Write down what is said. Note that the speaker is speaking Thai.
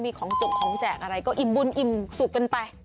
มีของจกของแจกอะไรก็อิ่มบุญอิ่มสุขกันไป